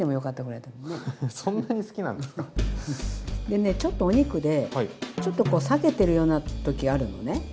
でねちょっとお肉でこう裂けてるようなときあるのね。